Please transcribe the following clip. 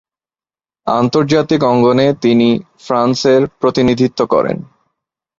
আন্তর্জাতিক অঙ্গনে তিনি ফ্রান্সের প্রতিনিধিত্ব করেন।